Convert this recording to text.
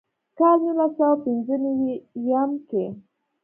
کال نولس سوه پينځۀ نوي يم کښې